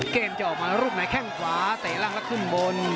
จะออกมารูปไหนแข้งขวาเตะร่างแล้วขึ้นบน